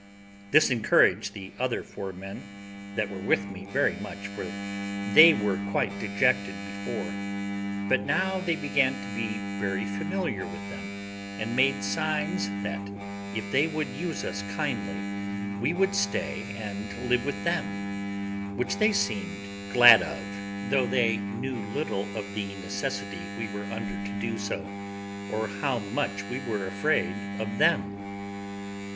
This encouraged the other four men that were with me very much, for they were quite dejected before; but now they began to be very familiar with them, and made signs, that if they would use us kindly, we would stay and live with them; which they seemed glad of, though they knew little of the necessity we were under to do so, or how much we were afraid of them.